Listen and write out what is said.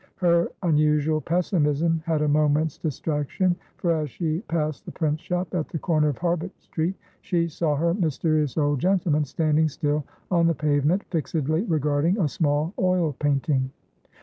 Her unusual pessimism had a moment's distraction, for as she passed the print shop, at the corner of Harbut Street, she saw her mysterious old gentleman standing still on the pavement fixedly regarding a small oil painting.